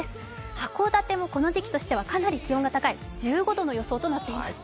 函館もこの時期としてはかなり気温が高い、１５度の予想となっています。